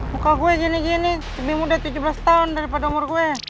muka gue gini gini lebih mudah tujuh belas tahun daripada umur gue